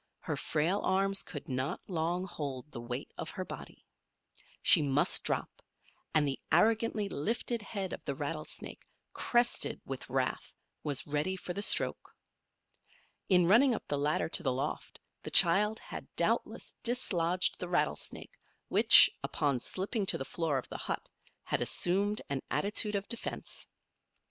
Her frail arms could not long hold the weight of her body. She must drop, and the arrogantly lifted head of the rattlesnake, crested with wrath, was ready for the stroke. In running up the ladder to the loft the child had doubtless dislodged the rattlesnake which, upon slipping to the floor of the hut, had assumed an attitude of defense.